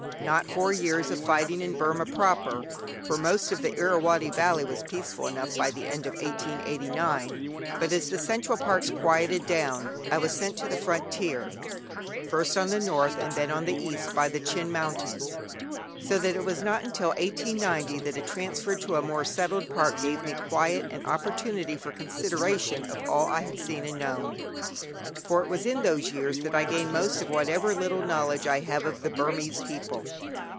Not four years of fighting in Burma proper, for most of the Irrawaddy valley was peaceful enough by the end of 1889; but as the central parts quieted down, I was sent to the frontier, first on the North and then on the East by the Chin mountains; so that it was not until 1890 that a transfer to a more settled part gave me quiet and opportunity for consideration of all I had seen and known. For it was in those years that I gained most of whatever little knowledge I have of the Burmese people.